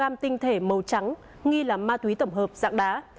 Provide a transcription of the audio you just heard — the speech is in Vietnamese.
năm tinh thể màu trắng nghi là ma túy tổng hợp dạng đá